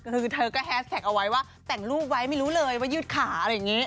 คือเธอก็แฮสแท็กเอาไว้ว่าแต่งรูปไว้ไม่รู้เลยว่ายืดขาอะไรอย่างนี้